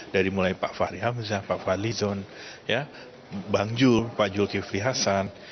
dari mulai pak fahri hamzah pak fahri lizon bang jul pak jul kifri hasan